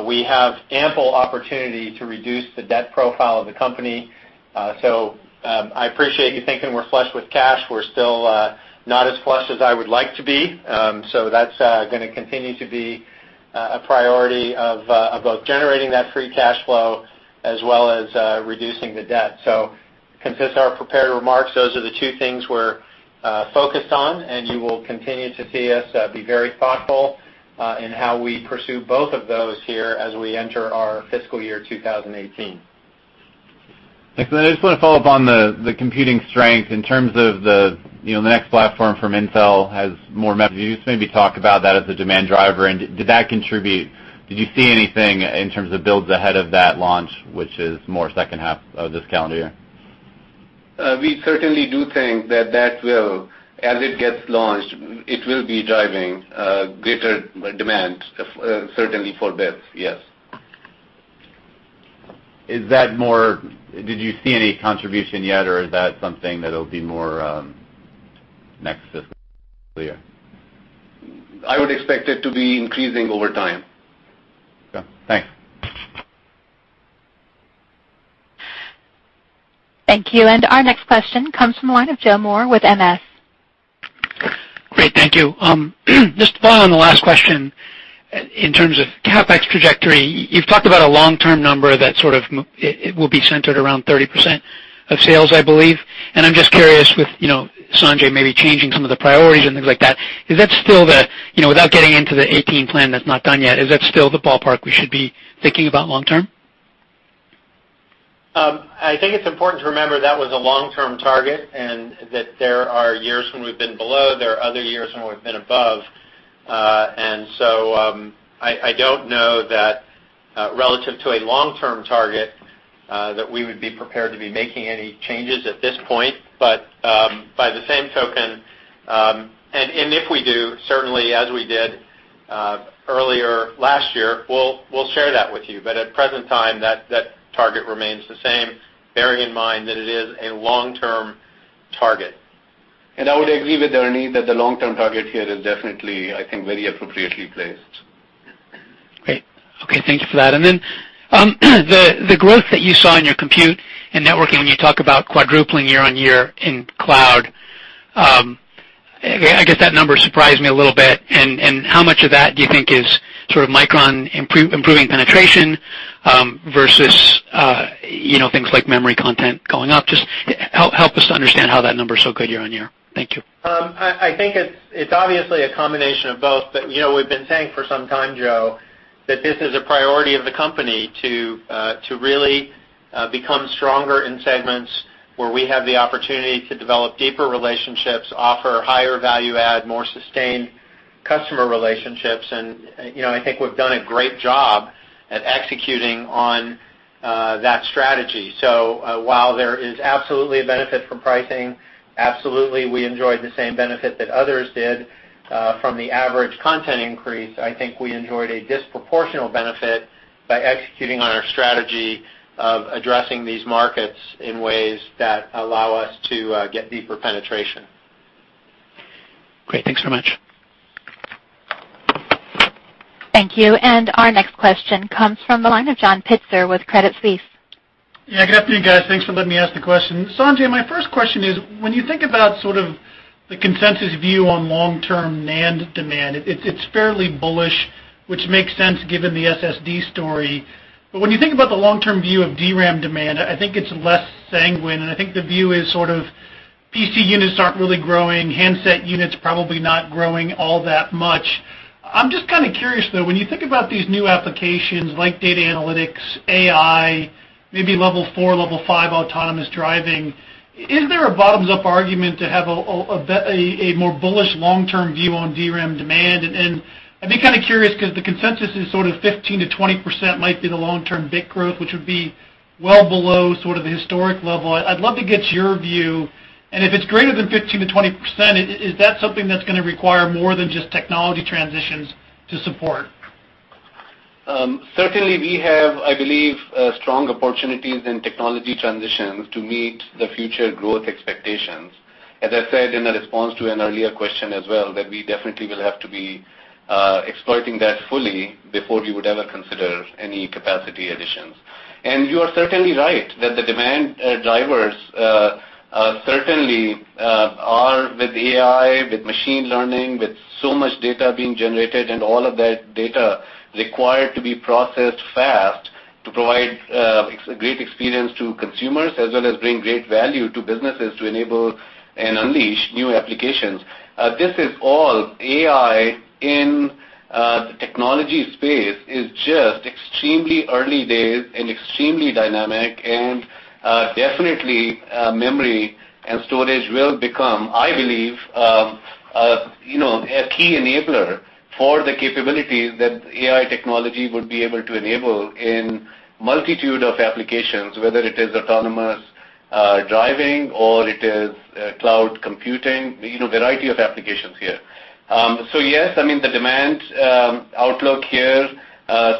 We have ample opportunity to reduce the debt profile of the company. I appreciate you thinking we're flush with cash. We're still not as flush as I would like to be. That's going to continue to be a priority of both generating that free cash flow as well as reducing the debt. Consist of our prepared remarks, those are the two things we're focused on, and you will continue to see us be very thoughtful in how we pursue both of those here as we enter our fiscal year 2018. Thanks. I just want to follow up on the computing strength in terms of the next platform from Intel has more. [inaudible] Can you just maybe talk about that as a demand driver, did you see anything in terms of builds ahead of that launch, which is more second half of this calendar year? We certainly do think that that will, as it gets launched, it will be driving greater demand, certainly for bits. Yes. Did you see any contribution yet, or is that something that'll be more next fiscal year? I would expect it to be increasing over time. Okay. Thanks. Thank you. Our next question comes from the line of Joe Moore with MS. Great. Thank you. Just to follow on the last question, in terms of CapEx trajectory, you've talked about a long-term number that sort of it will be centered around 30% of sales, I believe. I'm just curious with Sanjay maybe changing some of the priorities and things like that, without getting into the 2018 plan that's not done yet, is that still the ballpark we should be thinking about long term? I think it's important to remember that was a long-term target, and that there are years when we've been below, there are other years when we've been above. So I don't know that relative to a long-term target, that we would be prepared to be making any changes at this point. By the same token, and if we do, certainly as we did earlier last year, we'll share that with you. At present time, that target remains the same, bearing in mind that it is a long-term target. I would agree with Ernie Maddock that the long-term target here is definitely, I think, very appropriately placed. Great. Okay. Thank you for that. The growth that you saw in your compute and networking when you talk about quadrupling year-over-year in cloud, I guess that number surprised me a little bit. How much of that do you think is Micron improving penetration, versus things like memory content going up? Just help us to understand how that number is so good year-over-year. Thank you. I think it's obviously a combination of both, but we've been saying for some time, Joe, that this is a priority of the company to really become stronger in segments where we have the opportunity to develop deeper relationships, offer higher value add, more sustained customer relationships. I think we've done a great job at executing on that strategy. While there is absolutely a benefit from pricing, absolutely we enjoyed the same benefit that others did from the average content increase. I think we enjoyed a disproportional benefit by executing on our strategy of addressing these markets in ways that allow us to get deeper penetration. Great. Thanks so much. Thank you. Our next question comes from the line of John Pitzer with Credit Suisse. Yeah, good afternoon, guys. Thanks for letting me ask the question. Sanjay, my first question is, when you think about sort of the consensus view on long-term NAND demand, it's fairly bullish, which makes sense given the SSD story. When you think about the long-term view of DRAM demand, I think it's less sanguine, and I think the view is sort of PC units aren't really growing, handset units probably not growing all that much. I'm just kind of curious, though, when you think about these new applications like data analytics, AI, maybe level 4, level 5 autonomous driving, is there a bottoms-up argument to have a more bullish long-term view on DRAM demand? I'd be kind of curious because the consensus is sort of 15%-20% might be the long-term bit growth, which would be well below the historic level. I'd love to get your view. If it's greater than 15%-20%, is that something that's going to require more than just technology transitions to support? Certainly, we have, I believe, strong opportunities in technology transitions to meet the future growth expectations. As I said in a response to an earlier question as well, that we definitely will have to be exploiting that fully before we would ever consider any capacity additions. You are certainly right that the demand drivers certainly are with AI, with machine learning, with so much data being generated and all of that data required to be processed fast to provide a great experience to consumers as well as bring great value to businesses to enable and unleash new applications. This is all AI in the technology space is just extremely early days and extremely dynamic. Definitely memory and storage will become, I believe, a key enabler for the capabilities that AI technology would be able to enable in multitude of applications, whether it is autonomous driving or it is cloud computing, variety of applications here. Yes, the demand outlook here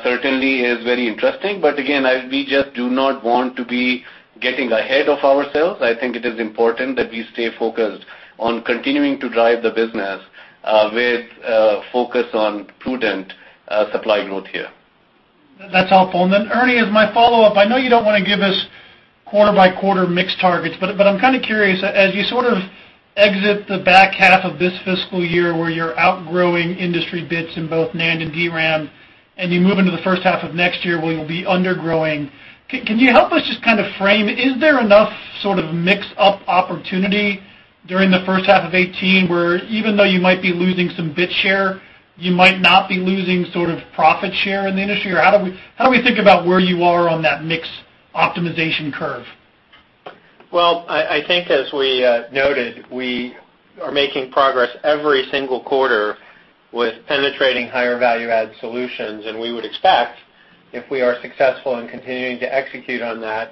certainly is very interesting. Again, we just do not want to be getting ahead of ourselves. I think it is important that we stay focused on continuing to drive the business with a focus on prudent supply growth here. That's helpful. Ernie, as my follow-up, I know you don't want to give us quarter by quarter mix targets. I'm kind of curious, as you sort of exit the back half of this fiscal year where you're outgrowing industry bits in both NAND and DRAM, you move into the first half of next year where you'll be undergrowing. Can you help us just kind of frame, is there enough sort of mix-up opportunity during the first half of 2018, where even though you might be losing some bit share, you might not be losing sort of profit share in the industry? How do we think about where you are on that mix optimization curve? I think as we noted, we are making progress every single quarter with penetrating higher value add solutions. We would expect, if we are successful in continuing to execute on that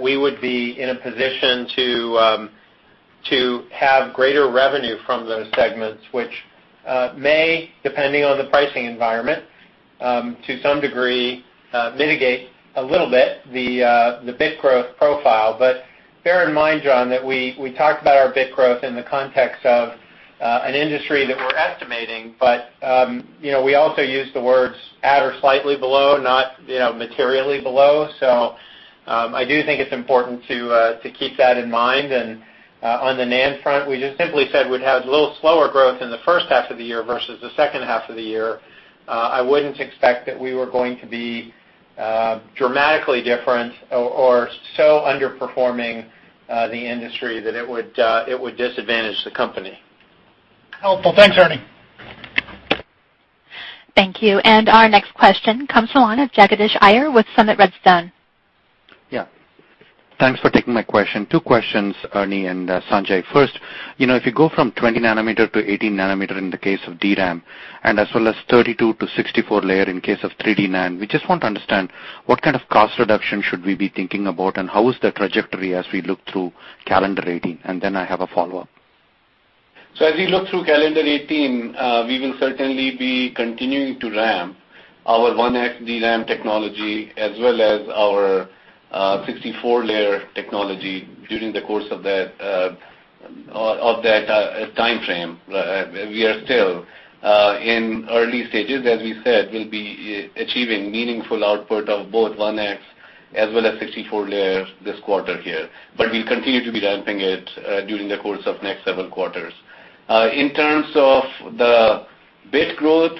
we would be in a position to have greater revenue from those segments, which may, depending on the pricing environment, to some degree, mitigate a little bit the bit growth profile. Bear in mind, John, that we talked about our bit growth in the context of an industry that we're estimating, but we also use the words at or slightly below, not materially below. I do think it's important to keep that in mind. On the NAND front, we just simply said we'd have a little slower growth in the first half of the year versus the second half of the year. I wouldn't expect that we were going to be dramatically different or so underperforming the industry that it would disadvantage the company. Helpful. Thanks, Ernie. Thank you. Our next question comes on the line of Jagadish Iyer with Summit Redstone. Thanks for taking my question. Two questions, Ernie and Sanjay. First, if you go from 20 nanometer to 18 nanometer in the case of DRAM, as well as 32 to 64 layer in case of 3D NAND, we just want to understand what kind of cost reduction should we be thinking about, and how is the trajectory as we look through calendar 2018? Then I have a follow-up. As we look through calendar 2018, we will certainly be continuing to ramp our 1X DRAM technology, as well as our 64-layer technology during the course of that timeframe. We are still in early stages. As we said, we'll be achieving meaningful output of both 1X as well as 64 layers this quarter here. We'll continue to be ramping it during the course of next several quarters. In terms of the bit growth,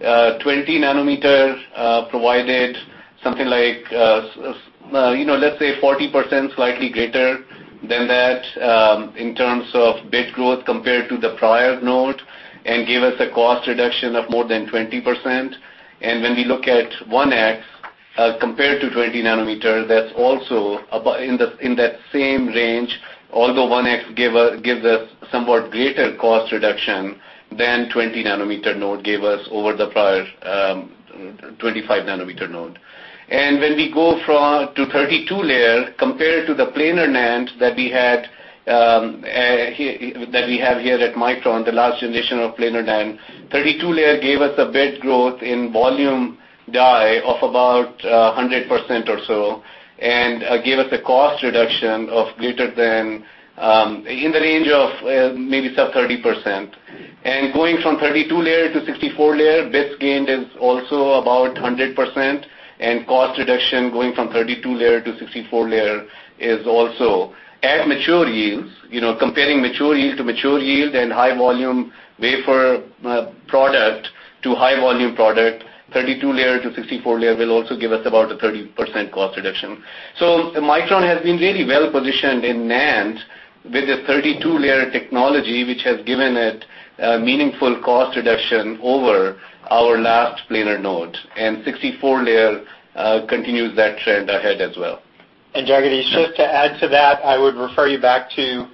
20 nanometers provided something like, let's say 40%, slightly greater than that, in terms of bit growth compared to the prior node and gave us a cost reduction of more than 20%. When we look at 1X compared to 20 nanometer, that's also in that same range, although 1X gives us somewhat greater cost reduction than 20 nanometer node gave us over the prior 25 nanometer node. When we go to 32-layer compared to the planar NAND that we have here at Micron, the last generation of planar NAND, 32-layer gave us a bit growth in volume die of about 100% or so, gave us a cost reduction in the range of maybe sub-30%. Going from 32-layer to 64-layer, bits gained is also about 100%, and cost reduction going from 32-layer to 64-layer is also, at mature yields, comparing mature yield to mature yield and high volume wafer product to high volume product, 32-layer to 64-layer will also give us about a 30% cost reduction. Micron has been really well-positioned in NAND with the 32-layer technology, which has given it a meaningful cost reduction over our last planar node, and 64-layer continues that trend ahead as well. Jagadish, just to add to that, I would refer you back to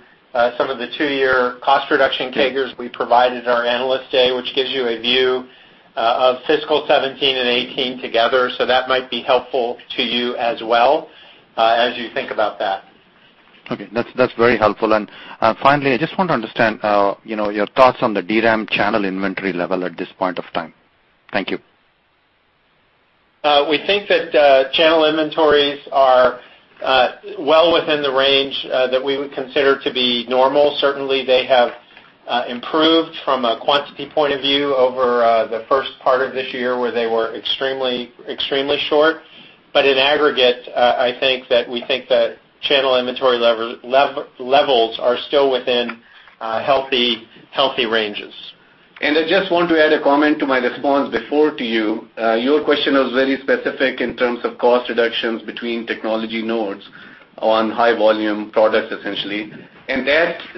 some of the two-year cost reduction CAGRs we provided at our Analyst Day, which gives you a view of fiscal 2017 and 2018 together. That might be helpful to you as well, as you think about that. Okay. That's very helpful. Finally, I just want to understand your thoughts on the DRAM channel inventory level at this point of time. Thank you. We think that channel inventories are well within the range that we would consider to be normal. Certainly, they have improved from a quantity point of view over the first part of this year, where they were extremely short. In aggregate, I think that we think that channel inventory levels are still within healthy ranges. I just want to add a comment to my response before to you. Your question was very specific in terms of cost reductions between technology nodes on high volume products, essentially.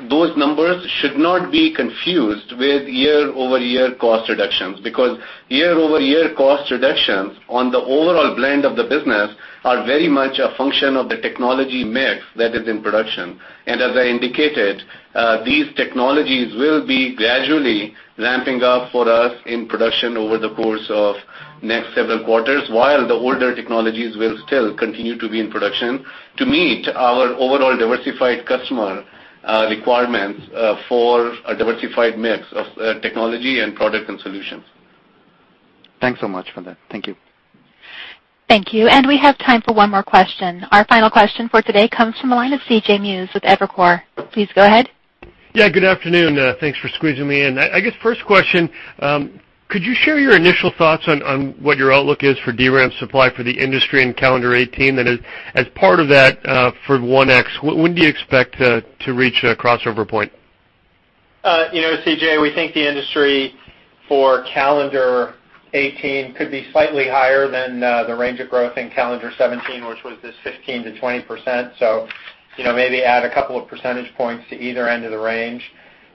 Those numbers should not be confused with year-over-year cost reductions, because year-over-year cost reductions on the overall blend of the business are very much a function of the technology mix that is in production. As I indicated, these technologies will be gradually ramping up for us in production over the course of next several quarters while the older technologies will still continue to be in production to meet our overall diversified customer requirements for a diversified mix of technology and product and solutions. Thanks so much for that. Thank you. Thank you. We have time for one more question. Our final question for today comes from the line of C.J. Muse with Evercore. Please go ahead. Good afternoon. Thanks for squeezing me in. I guess first question, could you share your initial thoughts on what your outlook is for DRAM supply for the industry in calendar 2018, and as part of that, for 1X, when do you expect to reach a crossover point? C.J., we think the industry for calendar 2018 could be slightly higher than the range of growth in calendar 2017, which was this 15%-20%. Maybe add a couple of percentage points to either end of the range.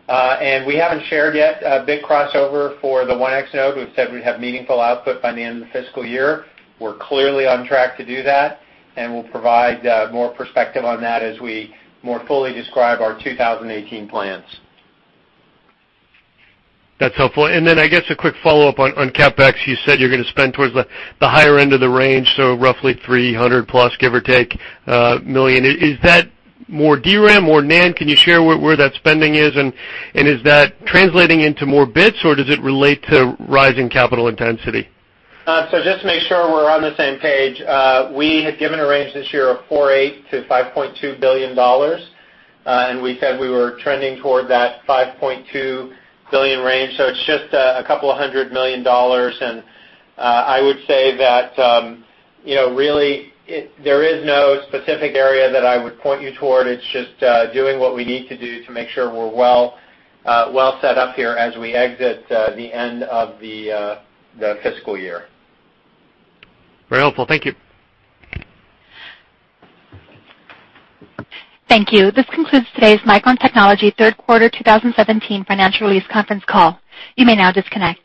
We haven't shared yet a big crossover for the 1X node. We've said we'd have meaningful output by the end of the fiscal year. We're clearly on track to do that, and we'll provide more perspective on that as we more fully describe our 2018 plans. That's helpful. I guess a quick follow-up on CapEx. You said you're going to spend towards the higher end of the range, roughly $300 million plus, give or take. Is that more DRAM, more NAND? Can you share where that spending is, and is that translating into more bits, or does it relate to rising capital intensity? Just to make sure we're on the same page, we had given a range this year of $4.8 billion-$5.2 billion, and we said we were trending toward that $5.2 billion range. It's just a couple of hundred million dollars, and I would say that really, there is no specific area that I would point you toward. It's just doing what we need to do to make sure we're well set up here as we exit the end of the fiscal year. Very helpful. Thank you. Thank you. This concludes today's Micron Technology third quarter 2017 financial release conference call. You may now disconnect.